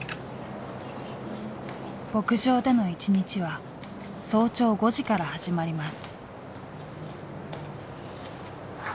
牧場での１日は早朝５時から始まります。